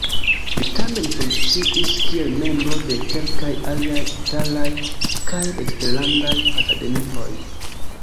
Li tamen funkciis kiel membro de kelkaj aliaj italaj kaj eksterlandaj akademioj.